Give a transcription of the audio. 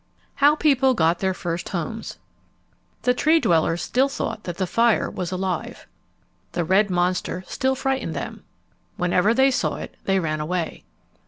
How People Got Their First Homes The Tree dwellers still thought that the fire was alive. The red monster still frightened them. Whenever they saw it they ran away.